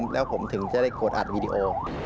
แล้วผมถึงจะได้กดอัดวีดีโอ